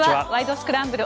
スクランブル」